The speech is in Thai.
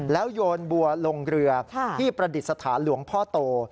แล้วโยนบัวลงเรือที่ประดิษฐานหลวงพ่อโต